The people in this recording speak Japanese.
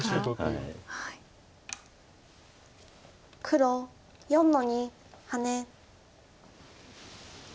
黒４の二ハネ。